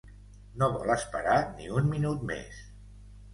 No vol esperar ni un minut més.